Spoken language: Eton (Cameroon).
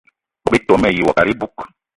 Bogb-ito mayi wo kat iboug.